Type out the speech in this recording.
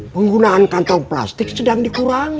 penggunaan kantong plastik sedang dikurangi